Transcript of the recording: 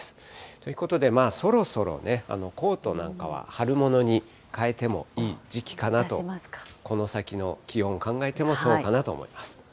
ということで、そろそろね、コートなんかは春物にかえてもいい時期かなと、この先の気温考えても、そうかなと思います。